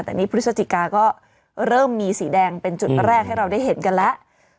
แต่นี่พฤศจิกาก็เริ่มมีสีแดงเป็นจุดแรกให้เราได้เห็นกันแล้ว